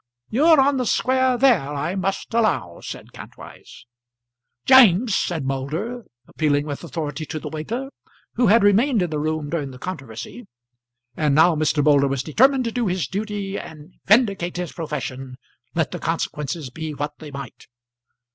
"You're on the square there, I must allow," said Kantwise. "James," said Moulder, appealing with authority to the waiter, who had remained in the room during the controversy; and now Mr. Moulder was determined to do his duty and vindicate his profession, let the consequences be what they might.